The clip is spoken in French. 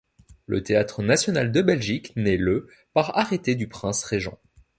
Le Théâtre national de Belgique naît le par arrêté du prince Régent.